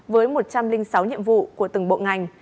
với một trăm linh sáu nhiệm vụ của từng bộ ngành